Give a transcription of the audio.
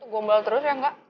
gombel terus ya mbak